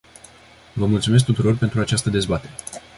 Vă mulțumesc tuturor pentru această dezbatere.